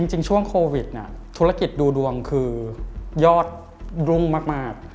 จริงช่วงโควิดธุรกิจดูดวงคือยอดรุ่งมาก